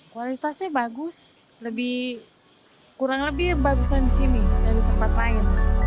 kualitasnya bagus kurang lebih bagus dari tempat lain